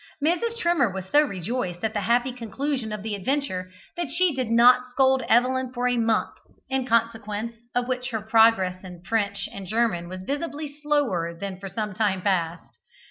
Mrs. Trimmer was so rejoiced at the happy conclusion of the adventure, that she did not scold Evelyn for a month, in consequence of which her progress in French and German was visibly slower than for some time past.